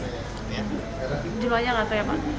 jumlahnya apa ya pak